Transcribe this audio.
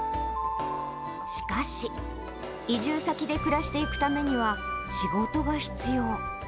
しかし、移住先で暮らしていくためには、仕事が必要。